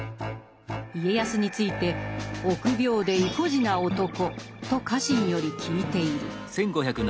家康について「臆病で依怙地な男」と家臣より聞いている。